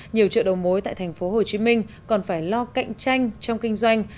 nhiều chợ đầu mối tại tp hcm còn phải lo cạnh tranh trong kinh doanh